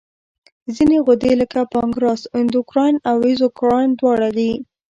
ځینې غدې لکه پانکراس اندوکراین او اګزوکراین دواړه دي.